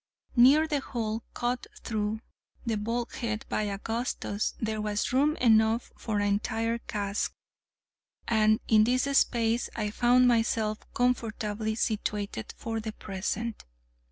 Near the hole cut through the bulkhead by Augustus there was room enough for an entire cask, and in this space I found myself comfortably situated for the present.